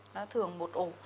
nó thường một ổ